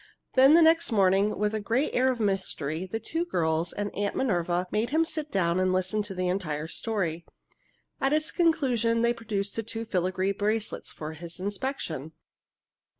Then the next morning, with a great air of mystery, the two girls and Aunt Minerva made him sit down and listen to the entire story. At its conclusion they produced the two filigree bracelets for his inspection.